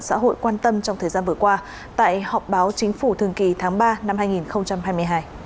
xã hội quan tâm trong thời gian vừa qua tại họp báo chính phủ thường kỳ tháng ba năm hai nghìn hai mươi hai